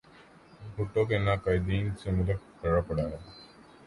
بھٹو کے ناقدین سے ملک بھرا پڑا ہے۔